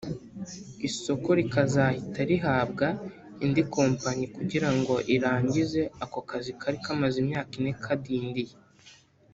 Isoko rikazahita rihabwa indi kompanyi kugira ngo irangize ako kazi kari kamaze imyaka ine kadindiye